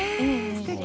すてき！